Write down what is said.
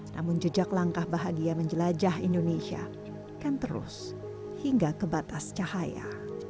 namun jejak langkah bahagia menjelajah indonesia akan terus hingga ke batas cahaya